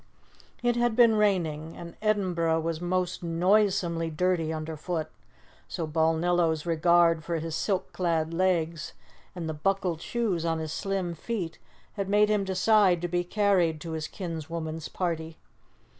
It had been raining, and Edinburgh was most noisomely dirty under foot, so Balnillo's regard for his silk clad legs and the buckled shoes on his slim feet, had made him decide to be carried to his kinswoman's party.